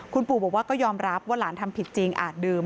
คุณปู่บอกว่าก็ยอมรับว่าหลานทำผิดจริงอาจดื่ม